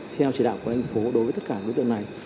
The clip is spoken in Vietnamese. theo chế đạo của đồng phố đối với tất cả đối tượng này